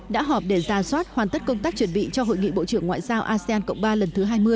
đã họp để ra soát hoàn tất công tác chuẩn bị cho hội nghị bộ trưởng ngoại giao asean cộng ba lần thứ hai mươi